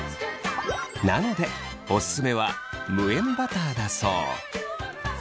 なのでオススメは無塩バターだそう。